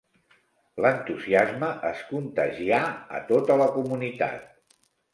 L'entusiasme es contagià a tota la comunitat.